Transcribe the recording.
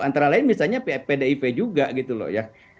antara lain misalnya pdip juga gitu loh ya